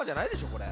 これ。